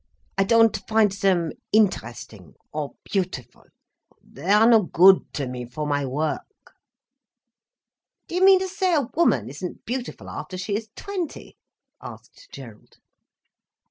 "I don't find them interesting—or beautiful—they are no good to me, for my work." "Do you mean to say a woman isn't beautiful after she is twenty?" asked Gerald.